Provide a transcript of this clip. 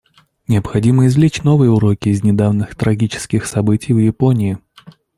Необходимо извлечь новые уроки из недавних трагических событий в Японии.